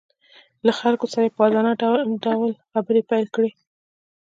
له خلکو سره یې په ازادانه ډول خبرې پیل کړې